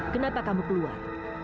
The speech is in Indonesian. kenapa kamu keluar